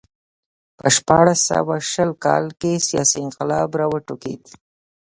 په شپاړس سوه شل کال کې سیاسي انقلاب راوټوکېد